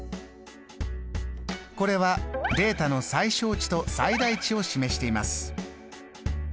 これはデータの最小値と最大値を示しています。